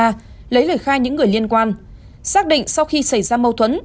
trích xuất camera lấy lời khai những người liên quan xác định sau khi xảy ra mâu thuẫn